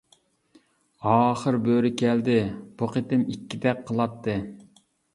ئاخىر بۆرە كەلدى، بۇ قېتىم ئىككىدەك قىلاتتى.